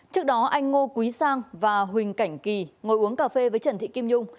trước đó anh ngô quý sang và huỳnh cảnh kỳ ngồi uống cà phê với trần thị kim nhung